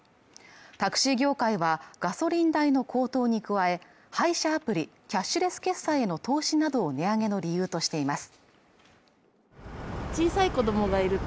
タクシー業界はガソリン代の高騰に加え配車アプリキャッシュレス決済への投資などを値上げの理由としています